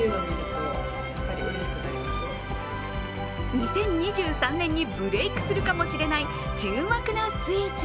２０２３年にブレークするかもしれない注目のスイーツ。